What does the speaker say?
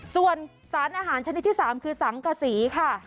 ส่วนสารอาหารชนิดที่๓คือสังกษีค่ะ